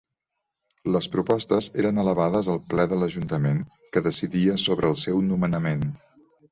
Les propostes eren elevades al ple de l'ajuntament, que decidia sobre el seu nomenament.